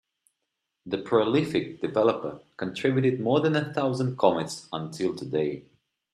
The prolific developer contributed more than a thousand commits until today.